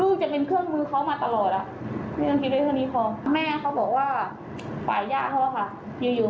กูก็บอกเขาตั้งแต่ในไลน์ก่อนที่จะขึ้นมาแล้ว